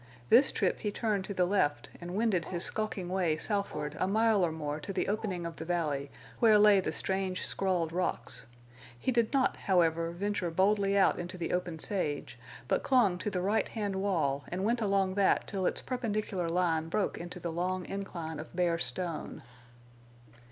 This trip he turned to the left and wended his skulking way southward a mile or more to the opening of the valley, where lay the strange scrawled rocks. He did not, however, venture boldly out into the open sage, but clung to the right hand wall and went along that till its perpendicular line broke into the long incline of bare stone.